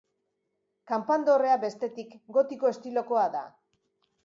Kanpandorrea, bestetik, gotiko estilokoa da.